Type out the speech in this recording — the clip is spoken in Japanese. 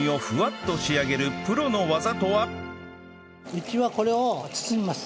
うちはこれを包みます。